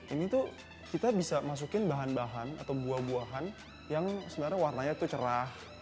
ini kita bisa masukkan bahan bahan atau buah buahan yang sebenarnya warnanya cerah